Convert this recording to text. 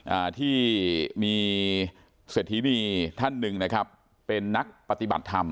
อ่าที่มีเศรษฐีนีท่านหนึ่งนะครับเป็นนักปฏิบัติธรรม